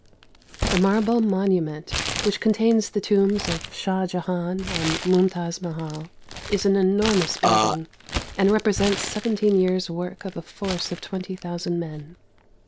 The marble monument, which contains the tombs of Shah Jahan and Mumtaz Mahal, is an enormous building, and represents seventeen years' work of a force of twenty thousand men.